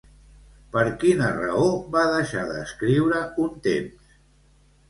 Per quina raó va deixar d'escriure un temps?